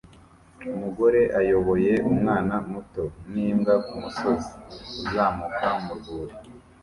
Umugore ayoboye umwana muto nimbwa kumusozi uzamuka mu rwuri